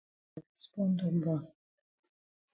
Wa kas born don born.